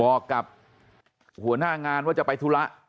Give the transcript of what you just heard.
บอกกับหัวหน้างานว่าจะไปธุระ